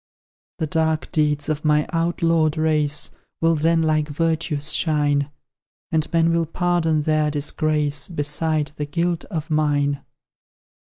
The dark deeds of my outlawed race Will then like virtues shine; And men will pardon their disgrace, Beside the guilt of mine.